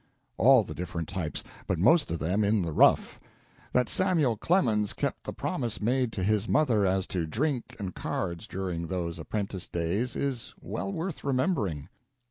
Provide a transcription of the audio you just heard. All the different types, but most of them in the rough. That Samuel Clemens kept the promise made to his mother as to drink and cards during those apprentice days is well worth remembering.